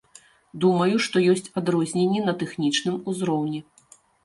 Думаю, што ёсць адрозненні на тэхнічным узроўні.